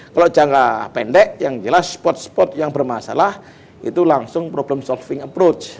kalau jangka pendek yang jelas spot spot yang bermasalah itu langsung problem solving approach